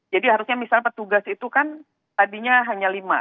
jadi harusnya misalnya petugas itu kan tadinya hanya lima